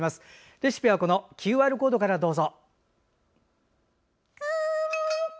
レシピはＱＲコードからどうぞ。